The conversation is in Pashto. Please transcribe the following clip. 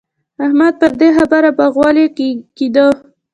احمده پر دې خبره برغولی کېږده.